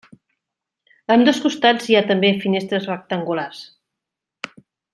A ambdós costats hi ha també finestres rectangulars.